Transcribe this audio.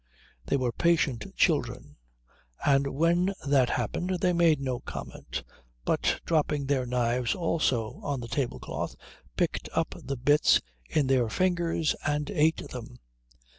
They were patient children, and when that happened they made no comment, but dropping their knives also on the tablecloth picked up the bits in their fingers and ate them.